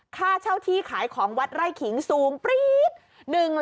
ค่าเช่าที่ขายของวัดไร่เขียงสูง